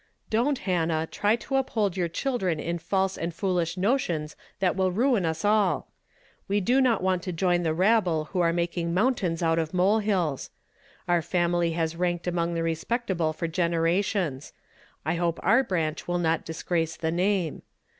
"Don't, Hannah, try to uphold your children in false and foolish notions that will ruin us all ! We do not want to join the rabble who are making mountains out of mole hills. Our family has ranked among the respectable for gen erations. I hope our branch will not disgrace the name.